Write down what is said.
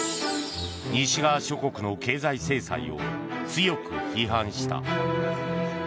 西側諸国の経済制裁を強く批判した。